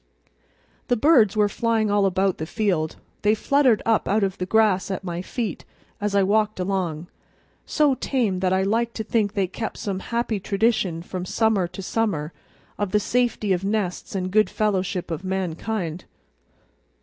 The birds were flying all about the field; they fluttered up out of the grass at my feet as I walked along, so tame that I liked to think they kept some happy tradition from summer to summer of the safety of nests and good fellowship of mankind.